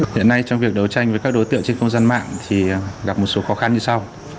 hiện nay trong việc đấu tranh với các đối tượng trên không gian mạng thì gặp một số khó khăn như sau